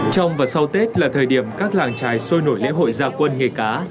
trong và sau tết là thời điểm các làng trài sôi nổi lễ hội gia quân nghề cá